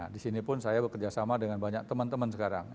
di sini pun saya bekerjasama dengan banyak teman teman sekarang